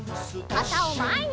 かたをまえに！